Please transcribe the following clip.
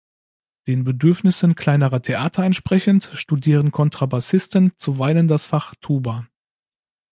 Den Bedürfnissen kleinerer Theater entsprechend, studieren Kontrabassisten zuweilen das Fach Tuba.